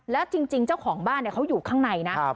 แล้วจริงเจ้าของบ้านเขาอยู่ข้างในนะ